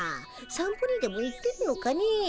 「散歩にでも行ってるのかねぇ」。